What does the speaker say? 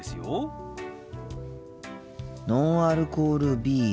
ノンアルコールビール。